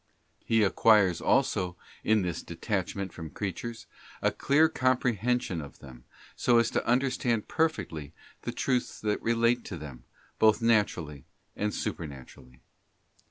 He acquires also in this detachment from creatures a clear comprehension of them, so as to understand perfectly the truths that relate to them, both naturally and supernaturally.